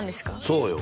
そうよ